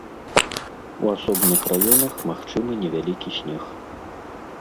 У асобных раёнах магчымы невялікі снег.